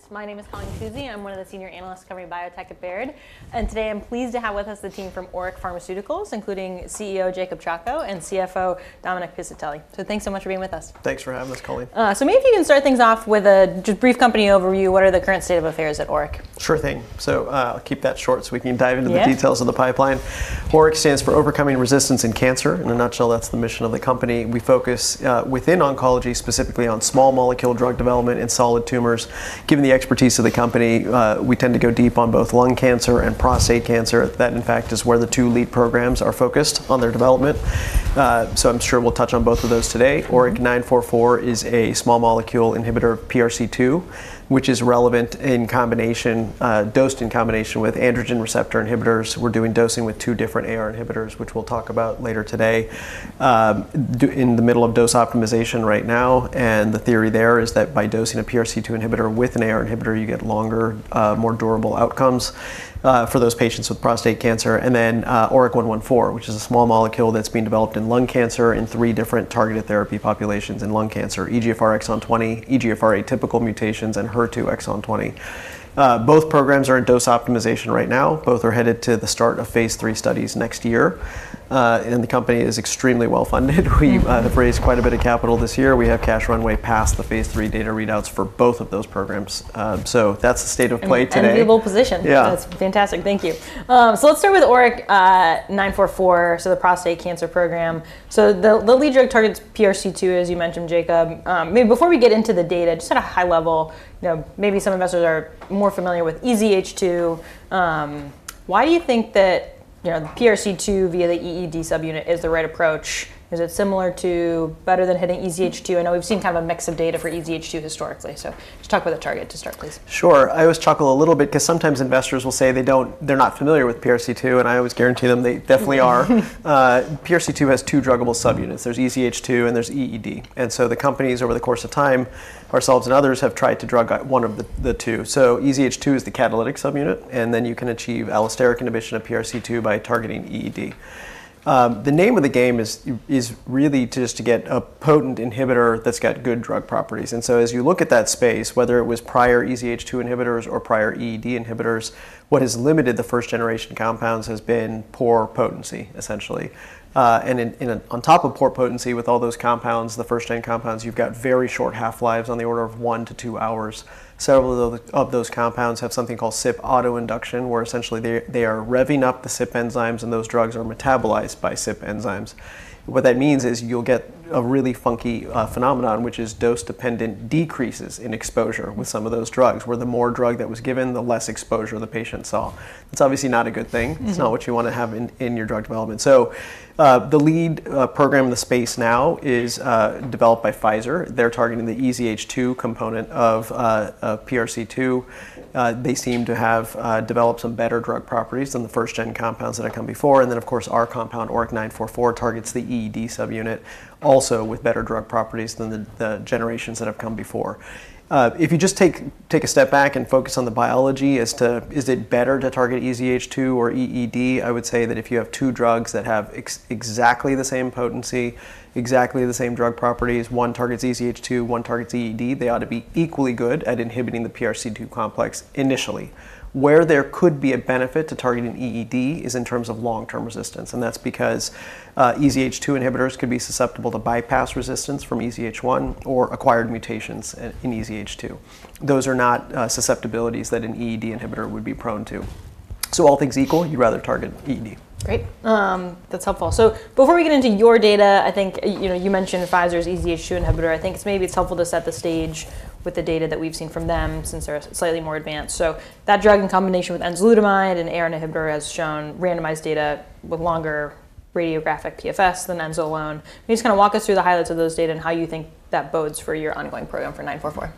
Conference. My name is Colleen Kusy. I'm one of the Senior Analysts covering biotech at Baird. Today I'm pleased to have with us the team from ORIC Pharmaceuticals, including CEO Jacob Chacko and CFO Dominic Piscitelli. Thanks so much for being with us. Thanks for having us, Colleen. Maybe if you can start things off with a brief company overview, what are the current state of affairs at ORIC? Sure thing. I'll keep that short so we can dive into the details of the pipeline. ORIC stands for Overcoming Resistance in Cancer. In a nutshell, that's the mission of the company. We focus within oncology, specifically on small molecule drug development in solid tumors. Given the expertise of the company, we tend to go deep on both lung cancer and prostate cancer. That is where the two lead programs are focused on their development. I'm sure we'll touch on both of those today. ORIC-944 is a small molecule inhibitor of PRC2, which is relevant in combination, dosed in combination with androgen receptor inhibitors. We're doing dosing with two different AR inhibitors, which we'll talk about later today, in the middle of dose optimization right now. The theory there is that by dosing a PRC2 inhibitor with an AR inhibitor, you get longer, more durable outcomes for those patients with prostate cancer. ORIC-114, which is a small molecule that's being developed in lung cancer, is in three different targeted therapy populations in lung cancer: EGFR exon 20, EGFR atypical mutations, and HER2 exon 20. Both programs are in dose optimization right now. Both are headed to the start of phase 3 studies next year. The company is extremely well funded. We have raised quite a bit of capital this year. We have cash runway past the phase 3 data readouts for both of those programs. That's the state of play today. That's a valuable position. Yeah. That's fantastic. Thank you. Let's start with ORIC-944, the prostate cancer program. The lead drug targets PRC2, as you mentioned, Jacob. Maybe before we get into the data, at a high level, maybe some investors are more familiar with EZH2. Why do you think that PRC2 via the EED subunit is the right approach? Is it similar to or better than hitting EZH2? I know we've seen kind of a mix of data for EZH2 historically. Just talk about the target to start, please. Sure. I always chuckle a little bit because sometimes investors will say they don't, they're not familiar with PRC2. I always guarantee them they definitely are. PRC2 has two druggable subunits. There's EZH2 and there's EED. The companies, over the course of time, ourselves and others, have tried to drug one of the two. EZH2 is the catalytic subunit. You can achieve allosteric inhibition of PRC2 by targeting EED. The name of the game is really just to get a potent inhibitor that's got good drug properties. As you look at that space, whether it was prior EZH2 inhibitors or prior EED inhibitors, what has limited the first-generation compounds has been poor potency, essentially. On top of poor potency with all those compounds, the first-gen compounds, you've got very short half-lives, on the order of one to two hours. Several of those compounds have something called CYP autoinduction, where essentially they are revving up the CYP enzymes, and those drugs are metabolized by CYP enzymes. What that means is you'll get a really funky phenomenon, which is dose-dependent decreases in exposure with some of those drugs, where the more drug that was given, the less exposure the patient saw. That's obviously not a good thing. It's not what you want to have in your drug development. The lead program in the space now is developed by Pfizer. They're targeting the EZH2 component of PRC2. They seem to have developed some better drug properties than the first-gen compounds that have come before. Our compound, ORIC-944, targets the EED subunit also with better drug properties than the generations that have come before. If you just take a step back and focus on the biology, as to is it better to target EZH2 or EED, I would say that if you have two drugs that have exactly the same potency, exactly the same drug properties, one targets EZH2, one targets EED, they ought to be equally good at inhibiting the PRC2 complex initially. Where there could be a benefit to targeting EED is in terms of long-term resistance. That's because EZH2 inhibitors could be susceptible to bypass resistance from EZH1 or acquired mutations in EZH2. Those are not susceptibilities that an EED inhibitor would be prone to. All things equal, you'd rather target EED. Great. That's helpful. Before we get into your data, I think you mentioned Pfizer's EZH2 inhibitor. I think it's maybe helpful to set the stage with the data that we've seen from them since they're slightly more advanced. That drug in combination with enzalutamide and an androgen inhibitor has shown randomized data with longer radiographic PFS than enza alone. Can you just kind of walk us through the highlights of those data and how you think that bodes for your ongoing program for 944?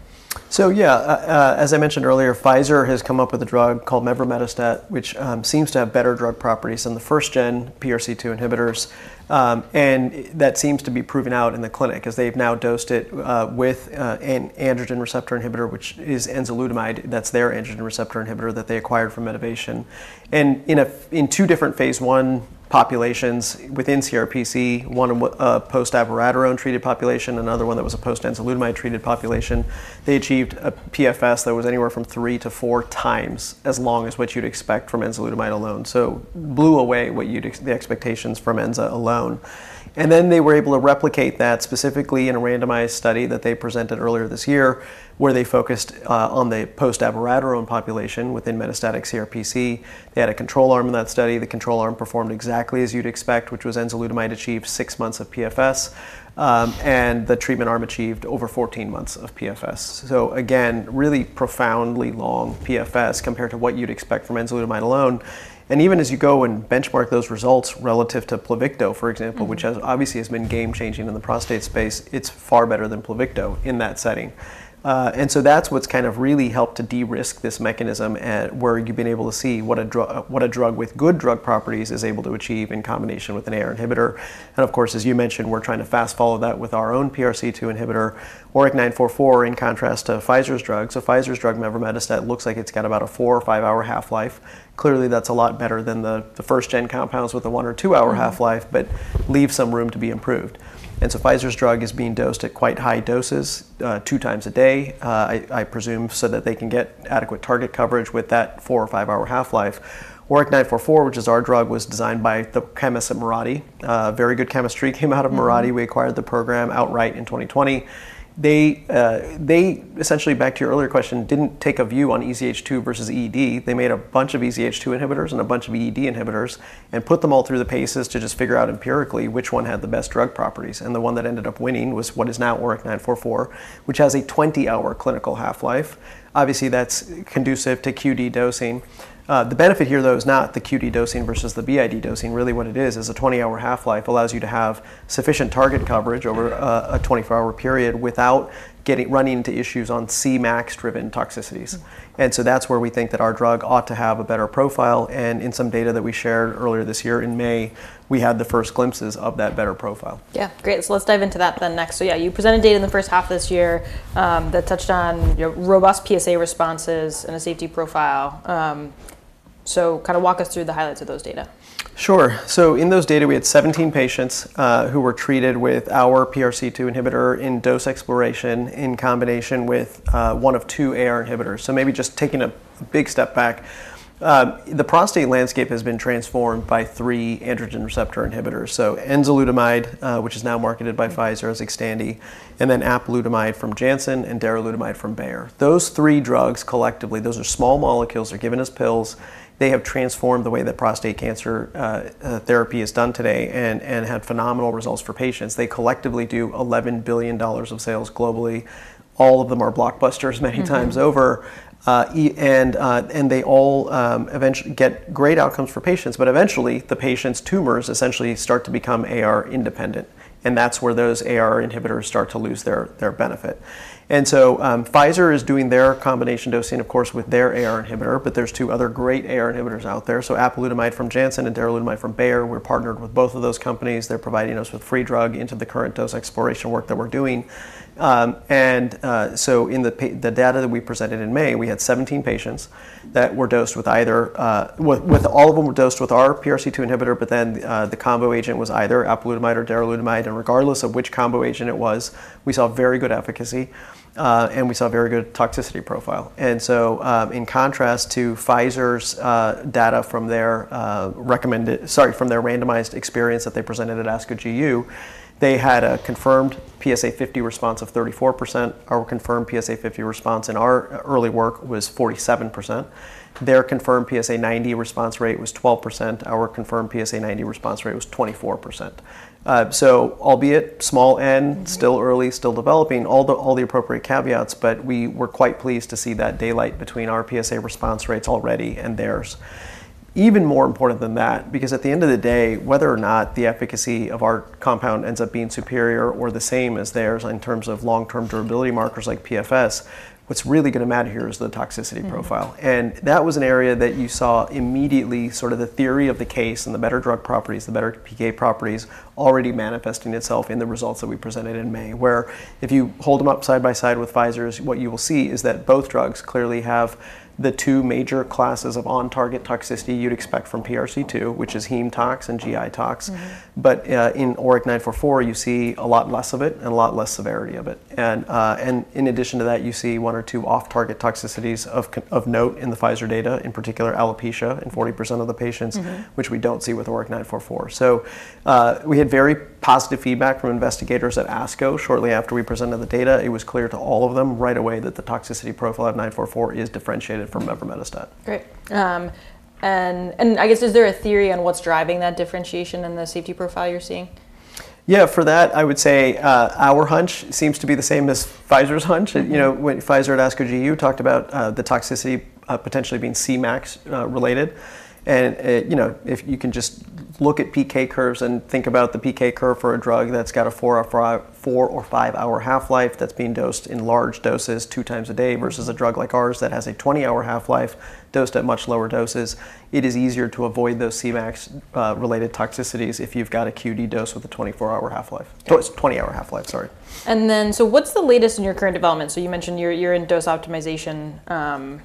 As I mentioned earlier, Pfizer has come up with a drug called Mevrometostat, which seems to have better drug properties than the first-gen PRC2 inhibitors. That seems to be proven out in the clinic as they've now dosed it with an androgen receptor inhibitor, which is enzalutamide. That's their androgen receptor inhibitor that they acquired from Medivation. In two different phase one populations within CRPC, one in a post-abiraterone-treated population and another one that was a post-enzalutamide-treated population, they achieved a PFS that was anywhere from three to four times as long as what you'd expect from enzalutamide alone. It blew away the expectations from enzalutamide alone. They were able to replicate that specifically in a randomized study that they presented earlier this year where they focused on the post-abiraterone population within metastatic CRPC. They had a control arm in that study. The control arm performed exactly as you'd expect, which was enzalutamide achieved six months of PFS, and the treatment arm achieved over 14 months of PFS. Again, really profoundly long PFS compared to what you'd expect from enzalutamide alone. Even as you go and benchmark those results relative to Pluvicto, for example, which obviously has been game-changing in the prostate space, it's far better than Pluvicto in that setting. That's what's kind of really helped to de-risk this mechanism where you've been able to see what a drug with good drug properties is able to achieve in combination with an AR inhibitor. Of course, as you mentioned, we're trying to fast follow that with our own PRC2 inhibitor, ORIC-944, in contrast to Pfizer's drug. Pfizer's drug, Mevrometostat, looks like it's got about a four or five-hour half-life. Clearly, that's a lot better than the first-gen compounds with a one or two-hour half-life, but leaves some room to be improved. Pfizer's drug is being dosed at quite high doses, two times a day, I presume, so that they can get adequate target coverage with that four or five-hour half-life. ORIC-944, which is our drug, was designed by the chemists at Mirati. Very good chemistry came out of Mirati. We acquired the program outright in 2020. They, essentially, back to your earlier question, didn't take a view on EZH2 versus EED. They made a bunch of EZH2 inhibitors and a bunch of EED inhibitors and put them all through the paces to just figure out empirically which one had the best drug properties. The one that ended up winning was what is now ORIC-944, which has a 20-hour clinical half-life. Obviously, that's conducive to QD dosing. The benefit here, though, is not the QD dosing versus the BID dosing. Really, what it is, is a 20-hour half-life allows you to have sufficient target coverage over a 24-hour period without running into issues on Cmax-driven toxicities. That's where we think that our drug ought to have a better profile. In some data that we shared earlier this year in May, we had the first glimpses of that better profile. Great. Let's dive into that next. You presented data in the first half of this year that touched on robust PSA responses and a safety profile. Walk us through the highlights of those data. Sure. In those data, we had 17 patients who were treated with our PRC2 inhibitor in dose exploration in combination with one of two AR inhibitors. Maybe just taking a big step back, the prostate landscape has been transformed by three androgen receptor inhibitors: enzalutamide, which is now marketed by Pfizer as Xtandi, apalutamide from Janssen, and darolutamide from Bayer. Those three drugs collectively are small molecules. They're given as pills. They have transformed the way that prostate cancer therapy is done today and had phenomenal results for patients. They collectively do $11 billion of sales globally. All of them are blockbusters many times over. They all eventually get great outcomes for patients. Eventually, the patients' tumors essentially start to become AR independent. That's where those AR inhibitors start to lose their benefit. Pfizer is doing their combination dosing, of course, with their AR inhibitor. There are two other great AR inhibitors out there: apalutamide from Janssen and darolutamide from Bayer. We're partnered with both of those companies. They're providing us with free drug into the current dose exploration work that we're doing. In the data that we presented in May, we had 17 patients that were dosed with either, all of them were dosed with our PRC2 inhibitor, but then the combo agent was either apalutamide or darolutamide. Regardless of which combo agent it was, we saw very good efficacy and we saw a very good toxicity profile. In contrast to Pfizer's data from their randomized experience that they presented at ASCO GU, they had a confirmed PSA50 response of 34%. Our confirmed PSA50 response in our early work was 47%. Their confirmed PSA90 response rate was 12%. Our confirmed PSA90 response rate was 24%. Albeit small N, still early, still developing, all the appropriate caveats, we were quite pleased to see that daylight between our PSA response rates already and theirs. Even more important than that, because at the end of the day, whether or not the efficacy of our compound ends up being superior or the same as theirs in terms of long-term durability markers like PFS, what's really going to matter here is the toxicity profile. That was an area that you saw immediately, sort of the theory of the case and the better drug properties, the better PK properties, already manifesting itself in the results that we presented in May, where if you hold them up side by side with Pfizer's, what you will see is that both drugs clearly have the two major classes of on-target toxicity you'd expect from PRC2, which is heme tox and GI tox. In ORIC-944, you see a lot less of it and a lot less severity of it. In addition to that, you see one or two off-target toxicities of note in the Pfizer data, in particular alopecia in 40% of the patients, which we don't see with ORIC-944. We had very positive feedback from investigators at ASCO shortly after we presented the data. It was clear to all of them right away that the toxicity profile of 944 is differentiated from Mevrometostate. Great. Is there a theory on what's driving that differentiation in the safety profile you're seeing? For that, I would say our hunch seems to be the same as Pfizer's hunch. When Pfizer at ASCO GU talked about the toxicity potentially being Cmax related, you can just look at PK curves and think about the PK curve for a drug that's got a four or five-hour half-life that's being dosed in large doses two times a day versus a drug like ours that has a 20-hour half-life dosed at much lower doses. It is easier to avoid those Cmax related toxicities if you've got a QD dose with a 24-hour half-life, 20-hour half-life, sorry. What is the latest in your current development? You mentioned you're in dose optimization.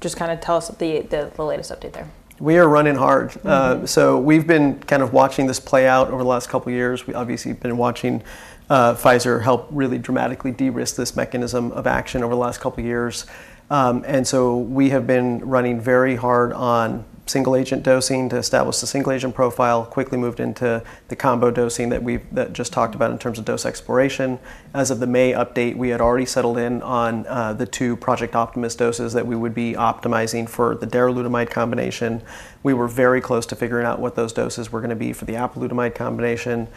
Just tell us the latest update there. We are running hard. We've been kind of watching this play out over the last couple of years. We've obviously been watching Pfizer help really dramatically de-risk this mechanism of action over the last couple of years. We've been running very hard on single-agent dosing to establish the single-agent profile, quickly moved into the combo dosing that we just talked about in terms of dose exploration. As of the May update, we had already settled in on the two Project Optimus doses that we would be optimizing for the darolutamide combination. We were very close to figuring out what those doses were going to be for the apalutamide combination.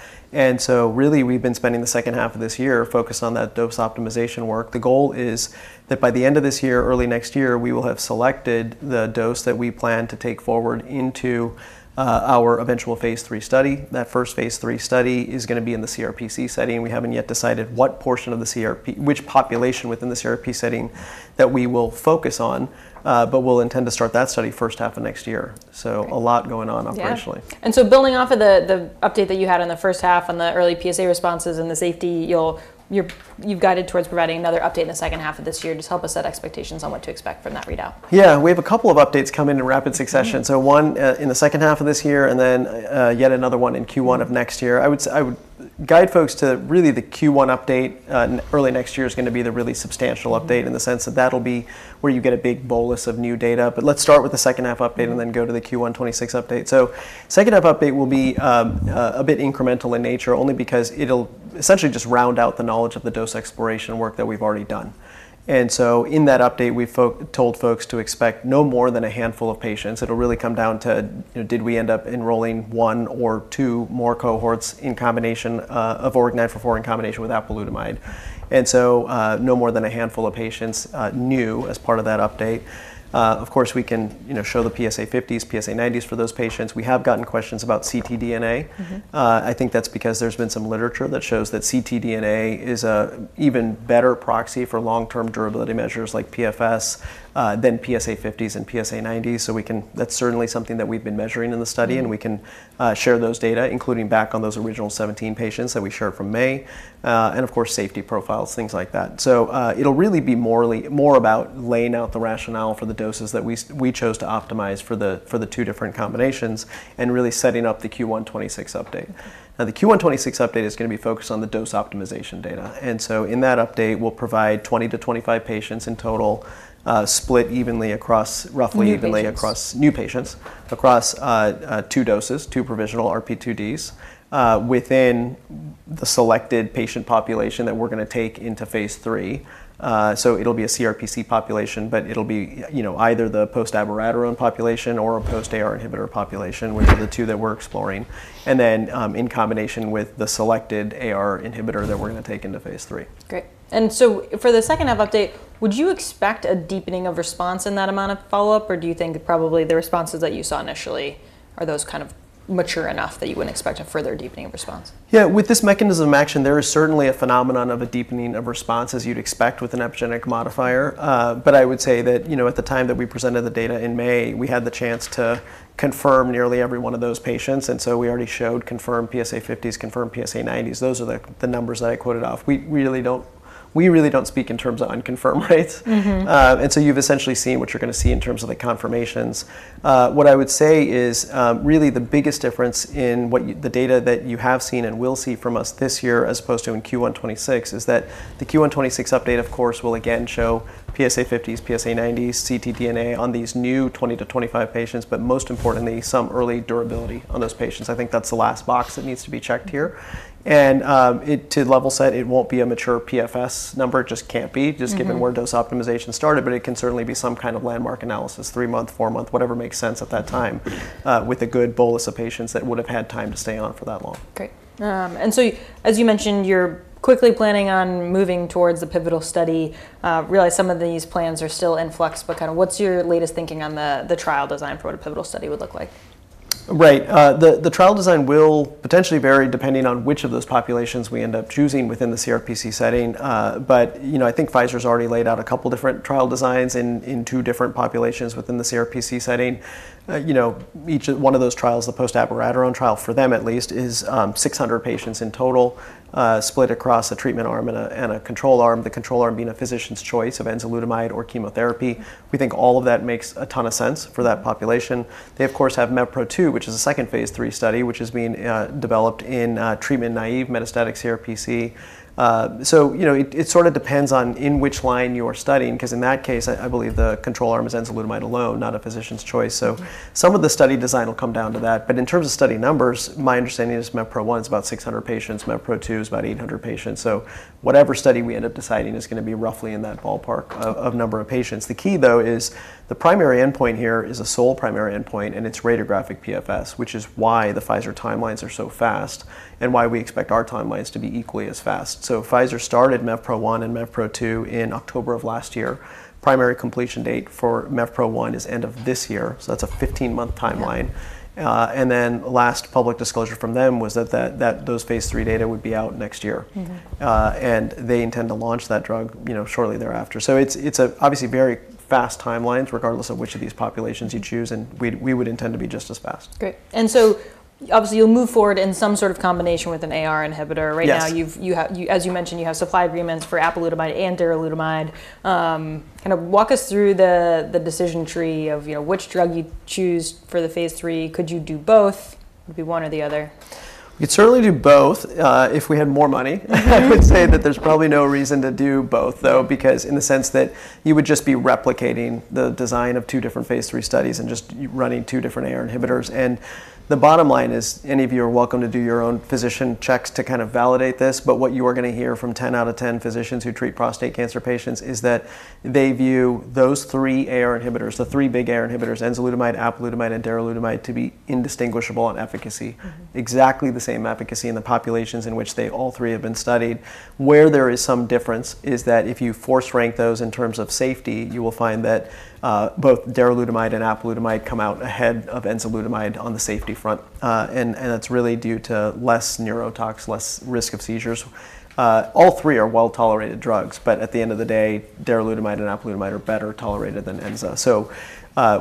We've been spending the second half of this year focused on that dose optimization work. The goal is that by the end of this year, early next year, we will have selected the dose that we plan to take forward into our eventual phase three study. That first phase three study is going to be in the CRPC setting. We haven't yet decided what portion of the CRPC, which population within the CRPC setting that we will focus on. We'll intend to start that study first half of next year. A lot going on operationally. Building off of the update that you had in the first half on the early PSA responses and the safety, you've guided towards providing another update in the second half of this year to help us set expectations on what to expect from that readout. Yeah, we have a couple of updates coming in rapid succession. One in the second half of this year and then yet another one in Q1 of next year. I would guide folks to really the Q1 update in early next year is going to be the really substantial update in the sense that that'll be where you get a big bolus of new data. Let's start with the second half update and then go to the Q1 2026 update. The second half update will be a bit incremental in nature only because it'll essentially just round out the knowledge of the dose exploration work that we've already done. In that update, we've told folks to expect no more than a handful of patients. It'll really come down to did we end up enrolling one or two more cohorts in combination of ORIC-944 in combination with apalutamide. No more than a handful of patients new as part of that update. Of course, we can show the PSA50s, PSA90s for those patients. We have gotten questions about ctDNA. I think that's because there's been some literature that shows that ctDNA is an even better proxy for long-term durability measures like PFS than PSA50s and PSA90s. That's certainly something that we've been measuring in the study. We can share those data, including back on those original 17 patients that we shared from May. Of course, safety profiles, things like that. It'll really be more about laying out the rationale for the doses that we chose to optimize for the two different combinations and really setting up the Q1 2026 update. The Q1 2026 update is going to be focused on the dose optimization data. In that update, we'll provide 20-25 patients in total, split evenly across, roughly evenly across new patients, across two doses, two provisional RP2Ds within the selected patient population that we're going to take into phase three. It'll be a CRPC population, but it'll be either the post-abiraterone population or a post-AR inhibitor population, which are the two that we're exploring, in combination with the selected AR inhibitor that we're going to take into phase three. Great. For the second half update, would you expect a deepening of response in that amount of follow-up? Do you think probably the responses that you saw initially are those kind of mature enough that you wouldn't expect a further deepening of response? Yeah, with this mechanism of action, there is certainly a phenomenon of a deepening of response as you'd expect with an epigenetic modifier. I would say that at the time that we presented the data in May, we had the chance to confirm nearly every one of those patients. We already showed confirmed PSA50s, confirmed PSA90s. Those are the numbers that I quoted off. We really don't speak in terms of unconfirmed rates. You've essentially seen what you're going to see in terms of the confirmations. What I would say is really the biggest difference in the data that you have seen and will see from us this year as opposed to in Q1 2026 is that the Q1 2026 update, of course, will again show PSA50s, PSA90s, ctDNA on these new 20-25 patients, but most importantly, some early durability on those patients. I think that's the last box that needs to be checked here. To level set, it won't be a mature PFS number. It just can't be, just given where dose optimization started. It can certainly be some kind of landmark analysis, three month, four month, whatever makes sense at that time with a good bolus of patients that would have had time to stay on for that long. Great. As you mentioned, you're quickly planning on moving towards a pivotal study. I realize some of these plans are still in flux, but what's your latest thinking on the trial design for what a pivotal study would look like? Right. The trial design will potentially vary depending on which of those populations we end up choosing within the CRPC setting. I think Pfizer's already laid out a couple of different trial designs in two different populations within the CRPC setting. Each one of those trials, the post-abiraterone trial for them at least, is 600 patients in total, split across a treatment arm and a control arm, the control arm being a physician's choice of enzalutamide or chemotherapy. We think all of that makes a ton of sense for that population. They, of course, have MEVPRO-2, which is a second phase three study, which is being developed in treatment-naive metastatic CRPC. It sort of depends on in which line you are studying, because in that case, I believe the control arm is enzalutamide alone, not a physician's choice. Some of the study design will come down to that. In terms of study numbers, my understanding is MEVPRO-1 is about 600 patients. MEVPRO-2 is about 800 patients. Whatever study we end up deciding is going to be roughly in that ballpark of number of patients. The key, though, is the primary endpoint here is a sole primary endpoint, and it's radiographic PFS, which is why the Pfizer timelines are so fast and why we expect our timelines to be equally as fast. Pfizer started MEVPRO-1 and MEVPRO-2 in October of last year. Primary completion date for MEVPRO-1 is end of this year. That's a 15-month timeline. The last public disclosure from them was that those phase three data would be out next year. They intend to launch that drug shortly thereafter. It's obviously very fast timelines, regardless of which of these populations you choose. We would intend to be just as fast. Great. Obviously, you'll move forward in some sort of combination with an AR inhibitor. Yeah. Right now, as you mentioned, you have supply agreements for apalutamide and darolutamide. Walk us through the decision tree of which drug you'd choose for the phase three. Could you do both? It would be one or the other. We could certainly do both if we had more money. I would say that there's probably no reason to do both, though, because in the sense that you would just be replicating the design of two different phase three studies and just running two different AR inhibitors. The bottom line is any of you are welcome to do your own physician checks to kind of validate this. What you are going to hear from 10 out of 10 physicians who treat prostate cancer patients is that they view those three AR inhibitors, the three big AR inhibitors: enzalutamide, apalutamide, and darolutamide, to be indistinguishable in efficacy, exactly the same efficacy in the populations in which all three have been studied. Where there is some difference is that if you force rank those in terms of safety, you will find that both darolutamide and apalutamide come out ahead of enzalutamide on the safety front. That's really due to less neurotox, less risk of seizures. All three are well-tolerated drugs. At the end of the day, darolutamide and apalutamide are better tolerated than enzalutamide.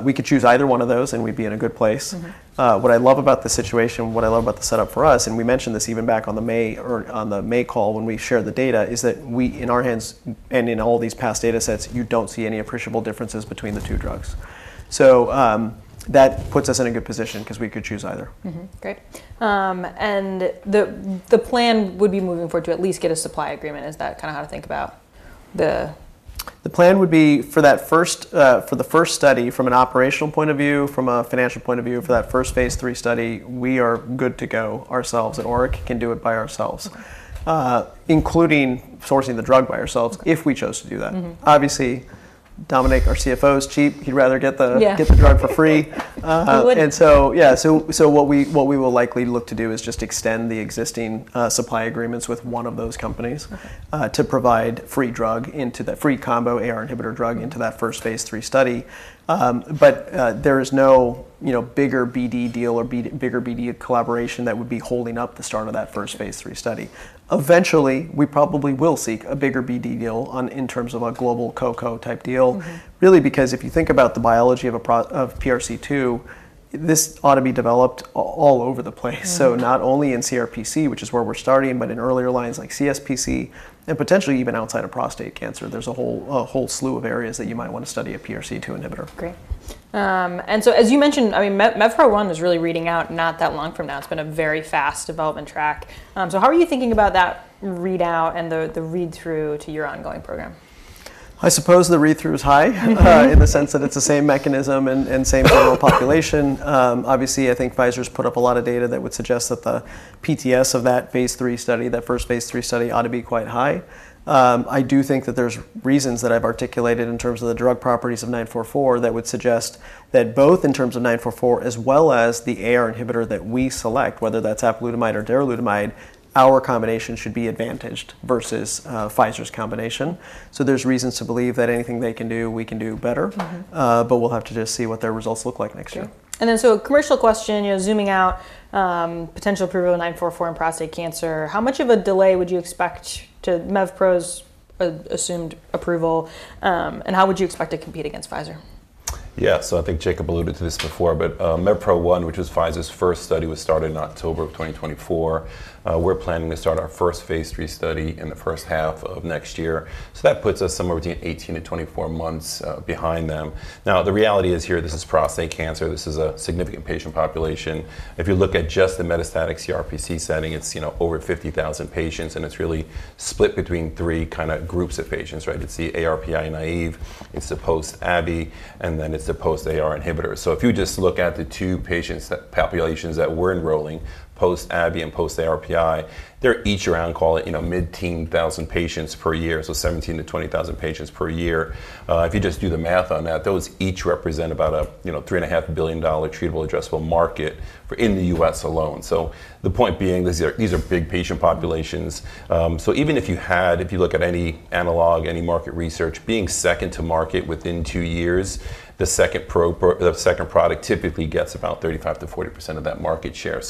We could choose either one of those, and we'd be in a good place. What I love about the situation, what I love about the setup for us, and we mentioned this even back on the May call when we shared the data, is that in our hands and in all these past data sets, you don't see any appreciable differences between the two drugs. That puts us in a good position because we could choose either. Great. The plan would be moving forward to at least get a supply agreement. Is that kind of how to think about that? The plan would be for that first, for the first study from an operational point of view, from a financial point of view, for that first phase three study, we are good to go ourselves. ORIC can do it by ourselves, including sourcing the drug by ourselves if we chose to do that. Obviously, Dominic, our CFO, is cheap. He'd rather get the drug for free. He would. What we will likely look to do is just extend the existing supply agreements with one of those companies to provide free drug, free combo AR inhibitor drug, into that first phase three study. There is no bigger BD deal or bigger BD collaboration that would be holding up the start of that first phase three study. Eventually, we probably will seek a bigger BD deal in terms of a global co-co type deal, really because if you think about the biology of PRC2, this ought to be developed all over the place. Not only in CRPC, which is where we're starting, but in earlier lines like CSPC and potentially even outside of prostate cancer, there's a whole slew of areas that you might want to study a PRC2 inhibitor. Great. As you mentioned, MEVPRO-1 is really reading out not that long from now. It's been a very fast development track. How are you thinking about that readout and the read-through to your ongoing program? I suppose the read-through is high in the sense that it's the same mechanism and same general population. Obviously, I think Pfizer's put up a lot of data that would suggest that the PTS of that phase three study, that first phase three study, ought to be quite high. I do think that there's reasons that I've articulated in terms of the drug properties of 944 that would suggest that both in terms of 944 as well as the AR inhibitor that we select, whether that's apalutamide or darolutamide, our combination should be advantaged versus Pfizer's combination. There are reasons to believe that anything they can do, we can do better. We'll have to just see what their results look like next year. A commercial question, zooming out, potential approval of 944 in prostate cancer. How much of a delay would you expect to MEVPRO's assumed approval? How would you expect to compete against Pfizer? Yeah, so I think Jacob alluded to this before, but MEVPRO-1, which was Pfizer's first study, was started in October of 2024. We're planning to start our first phase three study in the first half of next year. That puts us somewhere between 18-24 months behind them. Now, the reality is here, this is prostate cancer. This is a significant patient population. If you look at just the metastatic castration-resistant prostate cancer setting, it's over 50,000 patients. It's really split between three kind of groups of patients, right? It's the ARPI naive, it's the post-ABI, and then it's the post-androgen receptor inhibitor. If you just look at the two patient populations that we're enrolling, post-ABI and post-ARPI, they're each around, call it, you know, mid-teen, 1,000 patients per year. So 17,000-20,000 patients per year. If you just do the math on that, those each represent about a $3.5 billion treatable adjustable market in the U.S. alone. The point being these are big patient populations. Even if you had, if you look at any analog, any market research, being second to market within two years, the second product typically gets about 35%-40% of that market share.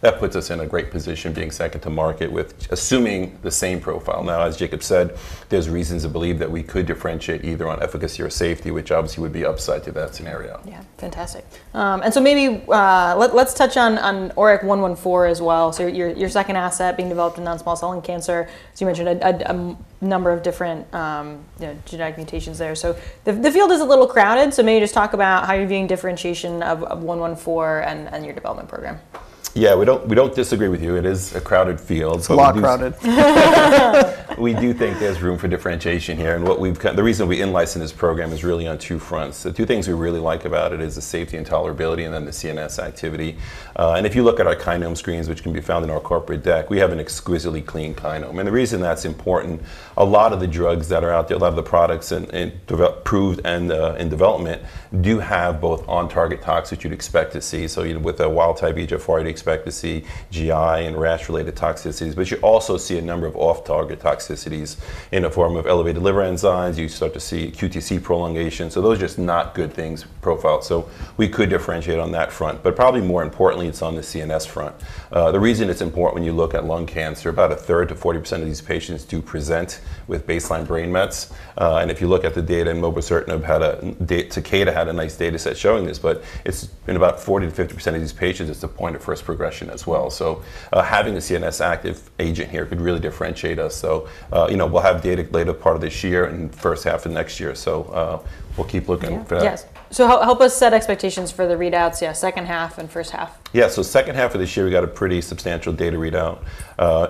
That puts us in a great position being second to market with assuming the same profile. Now, as Jacob said, there's reasons to believe that we could differentiate either on efficacy or safety, which obviously would be upside to that scenario. Yeah, fantastic. Maybe let's touch on ORIC-114 as well. Your second asset is being developed in non-small cell lung cancer. You mentioned a number of different genetic mutations there. The field is a little crowded. Maybe just talk about how you're viewing differentiation of 114 and your development program. Yeah, we don't disagree with you. It is a crowded field. A lot crowded. We do think there's room for differentiation here. The reason we in-licensed this program is really on two fronts. The two things we really like about it are the safety and tolerability, and then the CNS activity. If you look at our kinome screens, which can be found in our corporate deck, we have an exquisitely clean kinome. The reason that's important is a lot of the drugs that are out there, a lot of the products approved and in development, do have both on-target toxicity you'd expect to see. With a wild type EGFR, you'd expect to see GI and rash-related toxicities. You also see a number of off-target toxicities in the form of elevated liver enzymes. You start to see QTC prolongation. Those are just not good things profiled. We could differentiate on that front. Probably more importantly, it's on the CNS front. The reason it's important when you look at lung cancer, about a third to 40% of these patients do present with baseline brain mets. If you look at the data, mobicertinib, tecadia had a nice data set showing this. In about 40% to 50% of these patients, it's a point of first progression as well. Having the CNS active agent here could really differentiate us. We'll have data later part of this year and first half of next year. We'll keep looking. Yes, help us set expectations for the readouts. Yeah, second half and first half. Yeah, second half of this year, we got a pretty substantial data readout.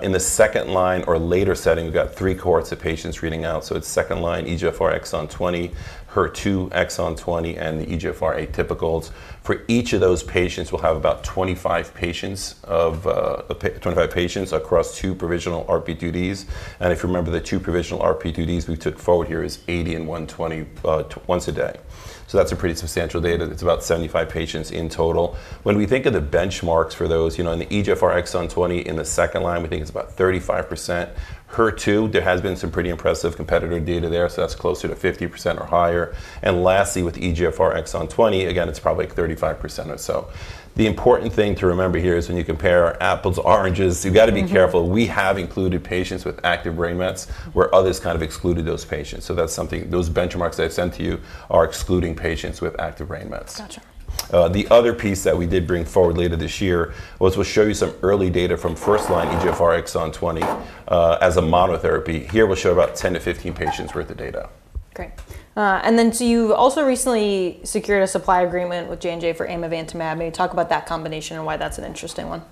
In the second line or later setting, we've got three cohorts of patients reading out. It's second line, EGFR exon 20, HER2 exon 20, and the EGFR atypicals. For each of those patients, we'll have about 25 patients across two provisional RP2Ds. If you remember, the two provisional RP2Ds we took forward here are 80 and 120 once a day. That's a pretty substantial data set. It's about 75 patients in total. When we think of the benchmarks for those, in the EGFR exon 20 in the second line, we think it's about 35%. HER2, there has been some pretty impressive competitive data there. That's closer to 50% or higher. Lastly, with EGFR exon 20, again, it's probably 35% or so. The important thing to remember here is when you compare apples to oranges, you've got to be careful. We have included patients with active brain mets, where others kind of excluded those patients. That's something, those benchmarks that I sent to you are excluding patients with active brain mets. Gotcha. The other piece that we did bring forward later this year was we'll show you some early data from first line EGFR exon 20 as a monotherapy. Here, we'll show about 10-15 patients' worth of data. Great. You've also recently secured a supply agreement with J&J for amivantamab. Maybe talk about that combination and why that's an interesting one.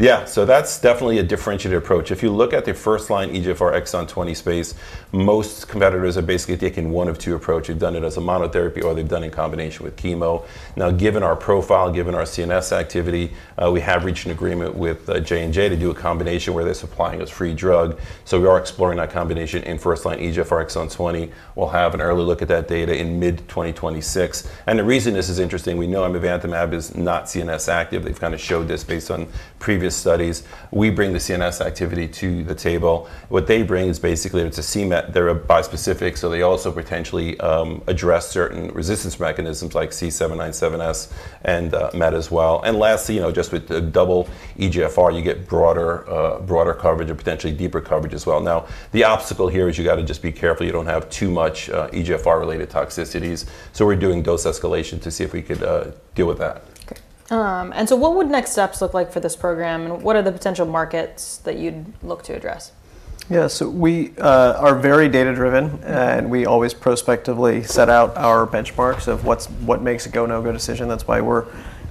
Yeah, so that's definitely a differentiated approach. If you look at the first line EGFR exon 20 space, most competitors have basically taken one of two approaches. They've done it as a monotherapy or they've done it in combination with chemo. Now, given our profile, given our CNS activity, we have reached an agreement with J&J to do a combination where they're supplying us free drug. We are exploring that combination in first line EGFR exon 20. We'll have an early look at that data in mid-2026. The reason this is interesting, we know amivantamab is not CNS active. They've kind of showed this based on previous studies. We bring the CNS activity to the table. What they bring is basically it's a CMET. They're a bispecific. They also potentially address certain resistance mechanisms like C797S and MET as well. Lastly, just with the double EGFR, you get broader coverage and potentially deeper coverage as well. The obstacle here is you got to just be careful you don't have too much EGFR-related toxicities. We're doing dose escalation to see if we could deal with that. What would next steps look like for this program? What are the potential markets that you'd look to address? Yeah, we are very data-driven. We always prospectively set out our benchmarks of what makes a go/no-go decision. That's why we're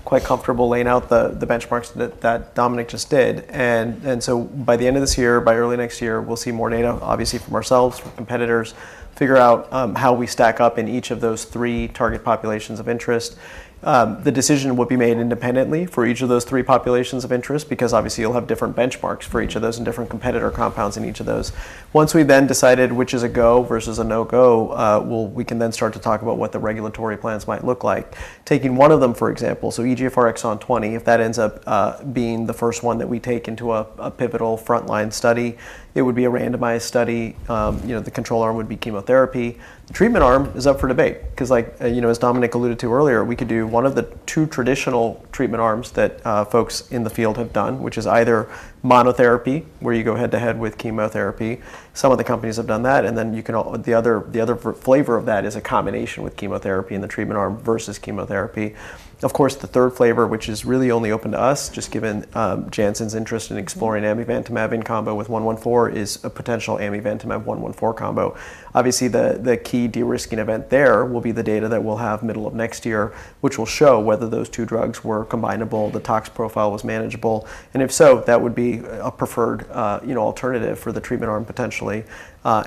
quite comfortable laying out the benchmarks that Dominic just did. By the end of this year, by early next year, we'll see more data, obviously, from ourselves with competitors, figure out how we stack up in each of those three target populations of interest. The decision would be made independently for each of those three populations of interest because you'll have different benchmarks for each of those and different competitor compounds in each of those. Once we've decided which is a go versus a no-go, we can start to talk about what the regulatory plans might look like. Taking one of them, for example, EGFR exon 20, if that ends up being the first one that we take into a pivotal frontline study, it would be a randomized study. The control arm would be chemotherapy. Treatment arm is up for debate because, as Dominic alluded to earlier, we could do one of the two traditional treatment arms that folks in the field have done, which is either monotherapy, where you go head to head with chemotherapy. Some of the companies have done that. The other flavor of that is a combination with chemotherapy in the treatment arm versus chemotherapy. Of course, the third flavor, which is really only open to us, just given Janssen's interest in exploring imivantamab in combo with 114, is a potential amivantamab 114 combo. Obviously, the key de-risking event there will be the data that we'll have middle of next year, which will show whether those two drugs were combinable, the tox profile was manageable. If so, that would be a preferred alternative for the treatment arm potentially.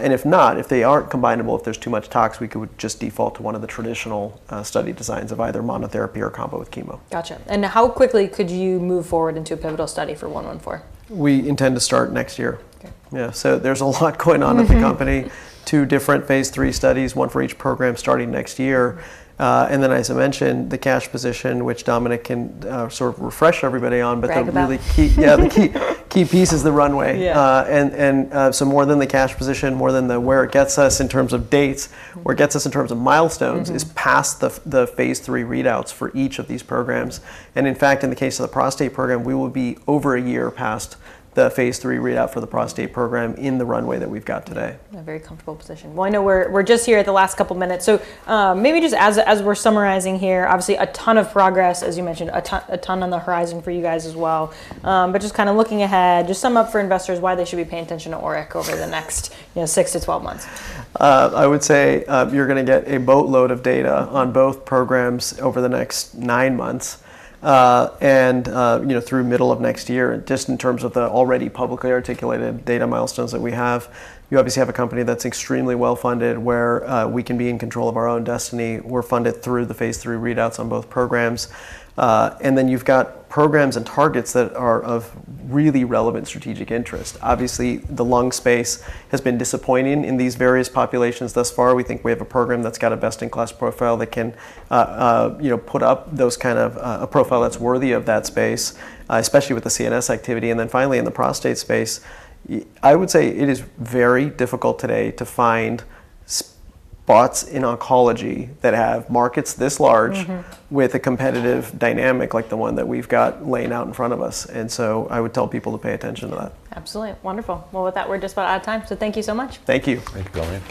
If not, if they aren't combinable, if there's too much tox, we could just default to one of the traditional study designs of either monotherapy or combo with chemo. Gotcha. How quickly could you move forward into a pivotal study for 114? We intend to start next year. Okay. Yeah, there's a lot going on with the company, two different phase three studies, one for each program starting next year. As I mentioned, the cash position, which Dominic can sort of refresh everybody on. I think about that. The key piece is the runway. Yeah. More than the cash position, more than where it gets us in terms of dates, where it gets us in terms of milestones is past the phase three readouts for each of these programs. In fact, in the case of the prostate program, we will be over a year past the phase three readout for the prostate program in the runway that we've got today. A very comfortable position. I know we're just here at the last couple of minutes. Maybe just as we're summarizing here, obviously, a ton of progress, as you mentioned, a ton on the horizon for you guys as well. Just kind of looking ahead, just sum up for investors why they should be paying attention to ORIC over the next 6-12 months. I would say you're going to get a boatload of data on both programs over the next nine months. Through middle of next year, just in terms of the already publicly articulated data milestones that we have, you obviously have a company that's extremely well-funded where we can be in control of our own destiny. We're funded through the phase 3 readouts on both programs. You've got programs and targets that are of really relevant strategic interest. The lung space has been disappointing in these various populations thus far. We think we have a program that's got a best-in-class profile that can put up those kind of a profile that's worthy of that space, especially with the CNS activity. Finally, in the prostate space, I would say it is very difficult today to find spots in oncology that have markets this large with a competitive dynamic like the one that we've got laying out in front of us. I would tell people to pay attention to that. Absolutely. Wonderful. With that, we're just about out of time. Thank you so much. Thank you. Thanks for calling in.